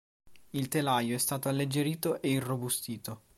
Il telaio è stato alleggerito e irrobustito.